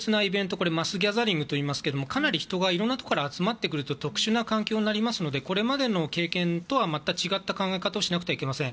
これはマスギャザリングといいますがかなり人がいろいろなところから集まってくる特殊な環境になりますのでこれまでの経験とはまた違った考え方をしなくてはいけません。